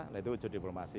nah itu wujud diplomasi